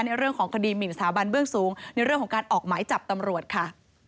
ในเรื่องของคดีหมินสถาบันเบื้องสูงในเรื่องของการออกหมายจับตำรวจค่ะ